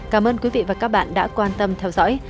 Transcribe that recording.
cảm ơn quý vị và các bạn đã quan tâm theo dõi